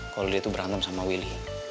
kalo dia tuh berantem sama willy